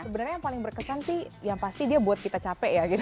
sebenarnya yang paling berkesan sih yang pasti dia buat kita capek ya gitu